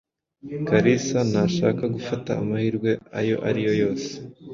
Kalisa ntashaka gufata amahirwe ayo ari yo yose.